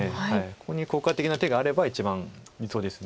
ここに効果的な手があれば一番理想です。